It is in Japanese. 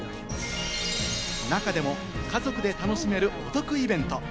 中でも家族で楽しめるお得イベント。